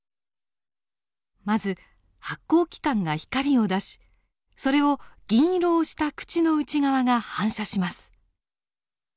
まず発光器官が光を出しそれを銀色をした口の内側が反射します。